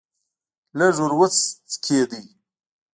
لږ ور وڅخېد.